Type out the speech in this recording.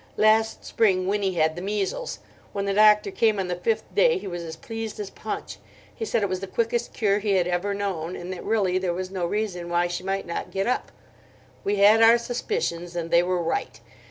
Last spring Winnie had the measles. When the doctor came on the fifth day he was as pleased as punch; he said it was the quickest cure he had ever known, and that really there was no reason why she might not get up. We had our suspicions, and they were right.